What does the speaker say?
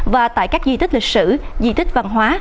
và tại các di tích lịch sử di tích văn hóa